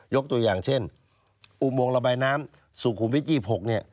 ยกตัวอย่างเช่นอุปโมงระบายน้ำสุขุวิทย์๒๖